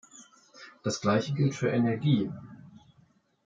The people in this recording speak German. Das Gleiche gilt für Energie.